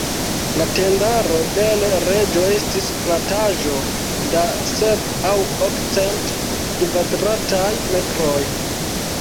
La tendaro de l' Reĝo estis plataĵo da sep- aŭ ok-cent kvadrataj metroj.